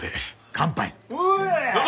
乾杯！